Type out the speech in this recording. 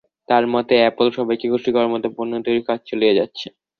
তাঁর মতে, অ্যাপল সবাইকে খুশি করার মতো পণ্য তৈরির কাজ চালিয়ে যাচ্ছে।